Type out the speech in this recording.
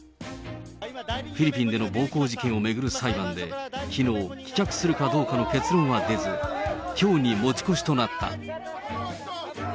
フィリピンでの暴行事件を巡る裁判で、きのう、棄却するかどうかの結論は出ず、きょうに持ち越しとなった。